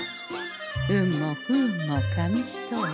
運も不運も紙一重。